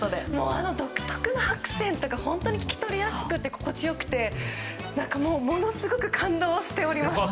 あの独特なアクセントが本当に聞き取りやすくて心地よくてものすごく感動しております。